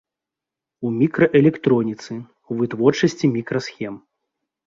У мікраэлектроніцы ў вытворчасці мікрасхем.